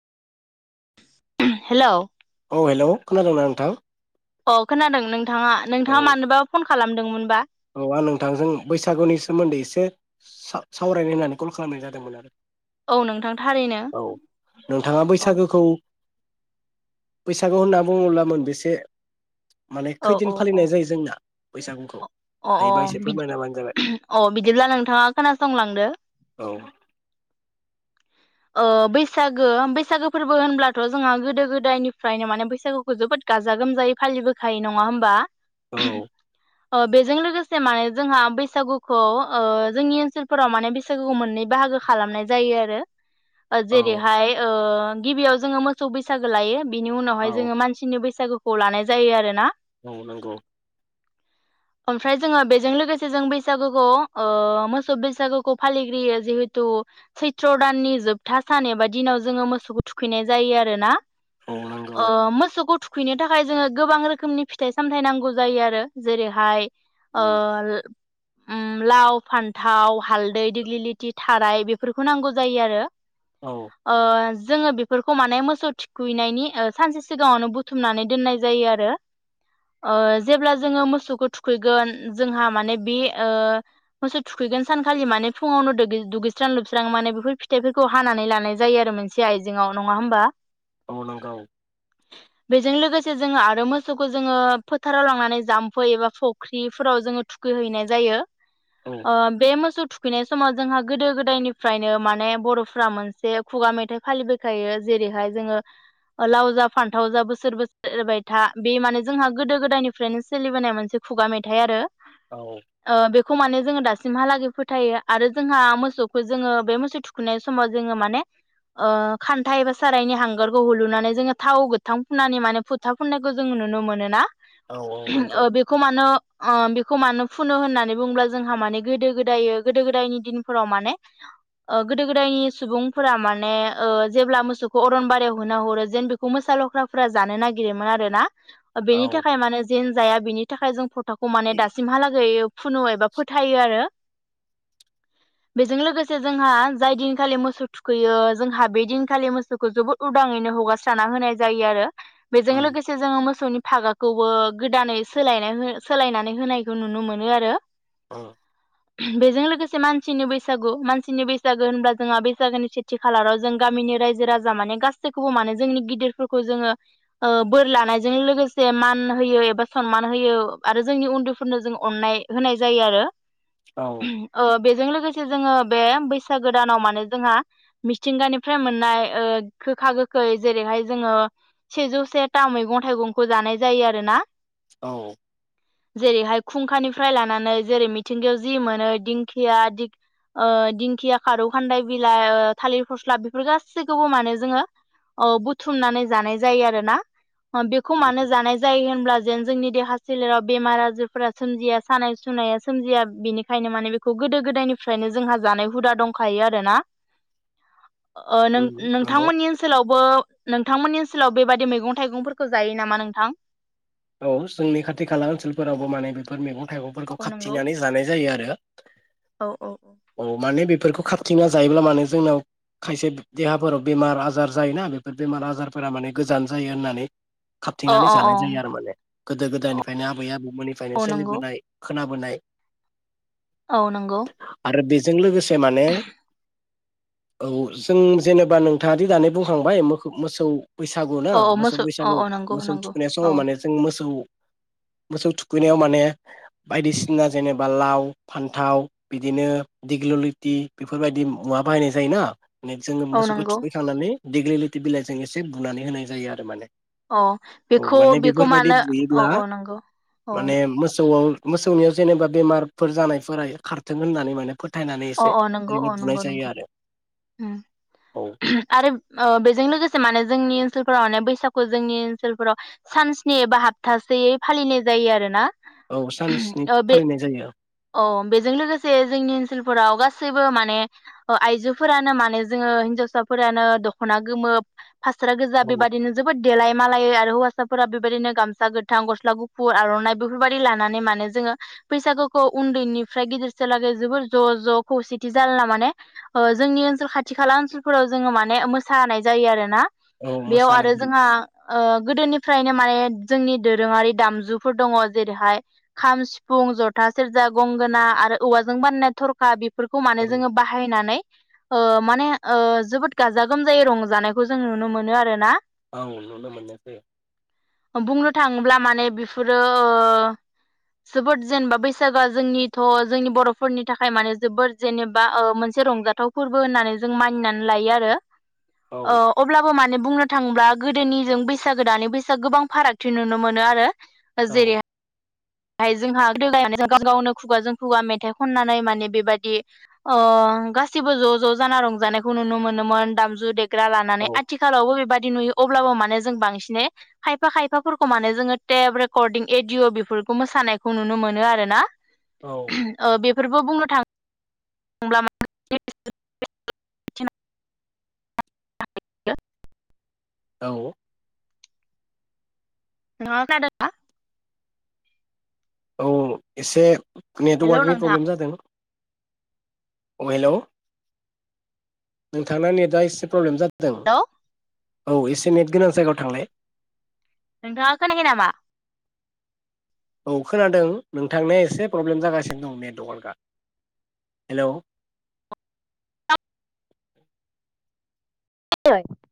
हेल' औ हेल' खोनादोंना नोंथां? अ खोनादों नोंथाङा औ नोंथाङा मानोबा फन खा खालामदोंमोनबा? औ आं नोंथांजों बैसागुनि सोमोन्दै एसे सा-सावरायनो होननानै कल खालामनाय जादोंमोन आरो। औ नोंथां थारैनो औ नोंथाङा औ बैसागोखौ बैसागु होनना बुङोब्ला मोनबेसे? माने औ औ खैदिन औ फालिनाय जायो जोंना? बैसागुखौ । अ अ बिदि अ बिदिब्ला नोंथाङा खोनासंलांदो औ ओ बैसागो बैसागो फोरबो होनब्लाथ' जोंहा गोदो गोदायनिफ्रायनो माने बैसागोखौ जोबोद गाजा गोमजायै फालिबोखायो नङा होमबा । औ [unintelligible] ओ बेजों लोगोसे माने जोंहा बैसागुखौ ओ जोंनि ओनसोलफोराव माने बैसागुखौ मोननै बाहागो खालामनाय जायो आरो । ओ औ जेरैहाय ओ गिबियाव जोङो मोसौ बैसागो लायो । बिनि औ उनावहाय जोङो मानसिनि बै बैसागुखौ लानाय जायो आरो ना । औ नोंगौ । ओमफ्राय जोङो बेजों लोगोसे जों बैसागुखौ ओ मोसौ बैसागुखौ फालिग्रोयो जिहेथु सैथ्र दाननि जोबथा सान एबा दिनाव जोङो मोसौखौ थुखैनाय जायो आरोना । औ नंगौ अ मोसौखौ थु थुखैनो थाखाय जोङो गोबां रोखोमनि फिथाइ सामथायाइ नांगौ जायो आरो जेरैहाय अ उम । उम लाव फान्थाव हालदै दिग्लिलिथि थाराय बेफोरखौ नांगौ । जायो आरो । औ ओ । जोङो बेफोरखौ माने मोसौ थुखैनायनि सानसे सिगाङावनो बुथुमनानै दोननाय जायो आरो ओ जेब्ला जोङो मोसौखौ थुखैगोन जोंहा माने बे ओ मोसौ थुखैगोन सानखालि माने फुङावनो दुगैस्रां लोबस्रां माने बे बेफोर फिथाइफोरखौ हानानै लानाय जायो आरो मोनसे आइजेंआव नङा होमबा? औ नांगौ बेजों लोगोसे जोङो आरो मोसौखौ जोङो फोथाराव लांनानै जाम्फै एबा फुख्रिफोराव जोङो थुखैहैनाय जायो । औ आ बे मोसौ थुखैनाय समाव जोंहा गोदो गोदायनिफ्रायनो मान माने बर'फ्रा मोनसे खुगा मेथाइ फालिबायखायो जेरैहाय जोङो लाव जा फान्थाव जा बोसोर बोसोर एरबाय था बे माने जोंहा गोदो गोदायनिफ्रायनो सोलिबोनाय मोनसे खुगा मेथाइ आरो । औ। खौ माने जोङो दासिमहालागै फोथायो आरो जोंहा मोसौखौ जोङो बे मोसौ थुखै थुखैनाय समाव जोङो माने ओ खान्थाइ एबा सारायनि हांगारखौ हुलुनानै जोङो थाव गोथां फुननानै माने फुथा फुननायखौ जोङो नुनो मोनोना। औ औ नंगौ ओम बेखौ मानो ओ बेखौ मानो फुनो होननानै बुंङुब्ला जोंहा माने गोदो गोदाय गोदो गोदायनि दिनफोराव माने ओ गोदो गोदायनि सुबुंफोरा माने ओ जेब्ला मोसौखौ अरनबारियाव होनो हरो जेन बेखौ मोसा लख्राफोरा जानो नागिरोमोन आरोना। बेनि औ थाखाय माने जेन जाया बेनि थाखाय जों फोथ थाखौ माने दासिमहालागै फुनु एबा फोथायो आरो बेजों लोगोसे जोंहा जाय दिनखालि मोसौ थुखैयो जोंहा बे दिनखालि मोसौखौ जोबोद उदाङैनो हगारस्राना होनाय जायो आरो। बेजों उम लोगोसे जोङो मोसौनि थागाखौबो गोदानै सोलायना सोलायनानै होनायखौ नुनो मोनो आरो ओ। बेजों लोगोसे मानसिनि बैसागु मानसिनि बैसागु बैसागो होनब्ला जोंहा बैसागोनि सेथि खालाराव जों गामिनि रायजो राजा माने गासैखौबो माने जोंनि गिदिरफोरखौ जोङो ओ बोर लानायजों लोगोसे मान होयो एबा सनमान होयो आरो जोंनि उन्दैफोरनो जों अननाय होनाय जायो आरो। औ उम ओ। बेजों लोगोसे जोङो बे बैसा गोदानाव माने जोंहा मिथिंगानिफ्राय मोननाय ओ गोखा गोखै जेरैहाय जोङो सेजौ सेथा मैगं थाइगंखौ जानाय जायो आरोना। औ। जेरैहाय खुंखानिफ्राय लानानै जेरै मिथिंगायाव जि मोनो दिंखिया दि ओ दिंखिया फारौ खान्दाय बिलाइ ओ थालिर फस्ला बेफोर गासैखौबो माने जोङो बुथुमनानै जानाय जायो आरोना। बेखौ मानो जानाय जायो होनब्ला जेन जोंनि देहा सोलेराव बेमार आजारफोरा सोमजिया सानाय सुनाया सोमजिया बेनिखायनो माने बेखौ गोदो गोदायनिफ्रायनो जोंहा जानाय हुदा दं। खायो आरोना। ओ उम नंगौ नों-नोंथांमोननि ओनसोलावबो नोंथांमोननि ओनसोलाव बेबादि मैगं थाइगंफोरखौ जायो नामा नोंथां? औ जोंनि खाथि खाला ओनसोलफोरावबो माने बेफोर मैगं मैगंफोरखौ औ नंगौ खाबथिंनानै जानाय जायो आरो औ माने बेफोर बेफोरखौ खाबथिंना जायोब्ला माने जोंनाव खायसे देहाफोराव बेमार आजार जायोना बेफोर बेमार आजारफोरा माने गोजान जायो होननानै अ खाबथिंनानै अ जानाय जायो अ आरो। गोदो गोदायनिफ्रायनो आबै आबौ निफ्रायनो औ नंगौ सोलिबोनाय खोनाबोनाय। औ नंगौ। आरो बेजों लोगोसे माने औ जों जेनेबा नोंथाङादि दानि बुंखांबाय मो-मोसौ बैसागु ना औ औ मोसौ औ बैसागु औ नंगौ मोसौ नंगौ थुखैनाय औ समाव माने मोसौ मोसौ थुखैनायाव माने बायदिसिना जेनेबा लाव फान्थाव बिदिनो दिग्ल लथि बेफोरबायदि मुवा बाहायनाय जायोना? जोङो औ मोसौखौ नंगौ थुखैखांनानै दिगलिलिटि बिलाइजों एसे बुनानै होनाय जायो आरो माने अ बेखौ बेखौ बेबायदि मानो औ बुयोब्ला औ नंगौ औ माने मोसौआव मोसौनियाव जेनेबा बेमारफोर जानायफोरा खारथों होननानै माने फोथायनानै अ एसे ओरैनो बुंनाय जायो आरो। ओं औ आरो ओंबेजों लोगोसे माने जों जोंनि ओनसोलफोराव माने बैसागु जोंनि ओनसोलफोराव सानस्नि एबा हाबथासेयै फालिनाय जायो आरो ना। औ सानस्नि ओ बे फालिनाय जायो औ बेजों लोगोसे जोंनि ओनसोलफोराव गासै सैबो माने आइजो फोरानो माने जोङो हिनजावसाफोरानो दख'ना गोमो हासारा गोजा औ बेबादिनो जोबोद देलाय मालायायो आरो हौवासा साफोरा बेबायाददिनो गामसा गोथां गस्ला गुफुर आर'नाइ बेफोरबायाददि लानानै माने जोङो बैसागुखौ उन्दैनिफ्राय गिदिरसेलागै जोबोर ज' ज' खौसेथि जालायना माने ओ जोंनि ओनसोल खाथि खाला ओनसोलफोराव जोङो माने मोसानाय जायो आरो ना। औ बेयाव मोसानाय आरो जोंहा ओ गोदोनिफ्रायनो माने जोंनि दोरोङारि दामजुफोर दङ जेरैहाय खाम, सिफुं, जथा, सेरजा, गंगोना आरो औवाजों बाननाय थरखा फोरखौ माने जोङो बाहायनानै ओ माने ओ जोबोद गाजा गोमजायै रंजानायखौ जों नुनो मोनो आरो ना। औ नुनो मोननाय जायो। बुंनो थाङोब्ला माने बेफोरो ओ जोबोद जेनेबा बैसागोआ जोंनिथ' जोंनि बर'फोरनि थाखाय माने जोबोद जेनेबा मोनसे रंजा बाथौ फोरबो होननानै जों मानिनानै लायो आरो। ओ औ अब्लाबो मान ने बुंनो थांङोब्ला गोदोनिजों बैसागो दानै बैसागो गोबां फारागथि नुनो मोनो आरो। औ जेरै हाय जोंहा [unintelligible] गावनो गाव खुगाजों खुगा मेथाइ खननानै माने बेबायदि अ गासिबो ज' ज' जाना रंजानायखौ नुनो मोनोमोन दामजु दे ग्रा लानानै औ आथिखालावबो बेबाद दि नुयो अब्लाबो माने जों बांसिनै खायफा खायफाफोरखौ माने जोंङो टेप रेकर्डिं एडिय' बेफोर खौ मोसानायखौ नुनो मोनो आरो ना? औ ओ बे फोरबो बुंनो थां ब्ला [unintelligible] औ नोंथां आ खोनादों ना? औ एसे नेट हेलौ वार्क नि नोंथां प्रब्लेम जादों। अ हेलोव नोंथांना नेटआ एसे प्रब्लेम जाद दों हेलौ औ एसे नेट गोनां जायगायाव थांलाय नोंथांङा खोनायाखै नामा? औ खोनादों नोंथांनिया एसे प्रब्लेम जागासिनो दं नेट वर्क आ हेलोव [unintelligible]